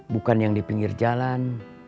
bukan yang di pinggir jalan